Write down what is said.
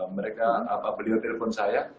mereka beliau telepon saya